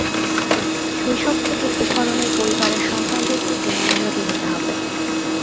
শৈশব থেকেই এ ধরনের পরিবারের সন্তানদের দিকে মনোযোগী হতে হবে।